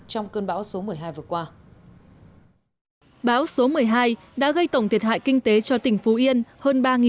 trong cơn bão số một mươi hai vừa qua bão số một mươi hai đã gây tổng thiệt hại kinh tế cho tỉnh phú yên hơn